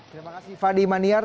terima kasih fadi maniar